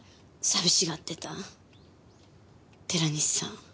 寂しがってた寺西さん。